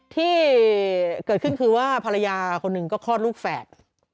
ที่เกิดขึ้นคือว่าภรรยาคนหนึ่งก็คลอดลูกแฝด